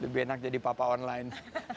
lebih enak jadi papa online